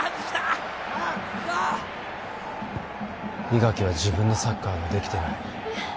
伊垣は自分のサッカーができてないえっ？